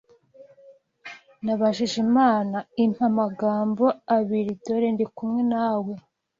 nabajije Imana, impa amagambo abiriDore ndi kumwe nawe,